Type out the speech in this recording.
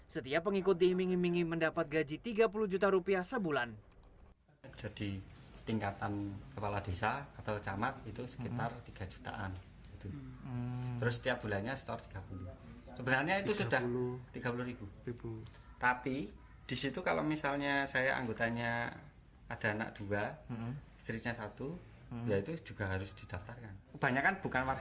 setiap pengikut tim ingin ingin mendapat gaji tiga puluh juta rupiah sebulan